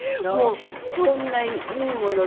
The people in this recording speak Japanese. そんないいものだとは。